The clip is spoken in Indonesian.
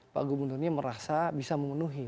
pak gubernur ini merasa bisa memenuhi